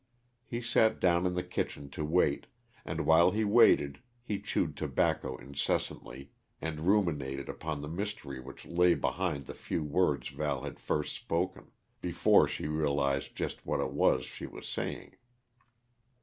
He sat down in the kitchen to wait, and while he waited he chewed tobacco incessantly, and ruminated upon the mystery which lay behind the few words Val had first spoken, before she realized just what it was she was saying.